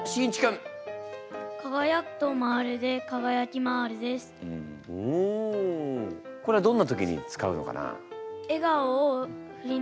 んこれはどんな時に使うのかな？